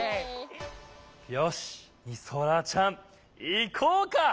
よしみそらちゃんいこうか！